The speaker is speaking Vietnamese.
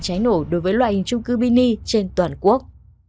cháy nổ đối với loại hình trung cư mini trên toàn quốc